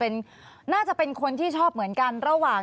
น่าจะเป็นคนที่ชอบเหมือนกัน